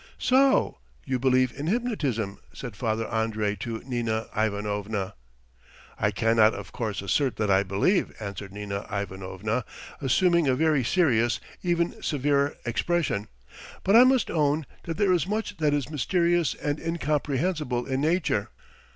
"So you believe in hypnotism?" said Father Andrey to Nina Ivanovna. "I cannot, of course, assert that I believe," answered Nina Ivanovna, assuming a very serious, even severe, expression; "but I must own that there is much that is mysterious and incomprehensible in nature."